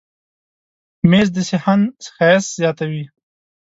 مېز د صحن ښایست زیاتوي.